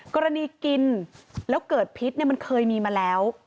กินแล้วเกิดพิษมันเคยมีมาแล้ว